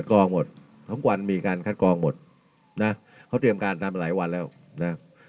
กองหมดทั้งวันมีการคัดกรองหมดนะเขาเตรียมการทำมาหลายวันแล้วนะ